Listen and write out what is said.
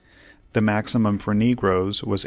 The maximum for negroes was $8.